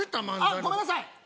あっごめんなさい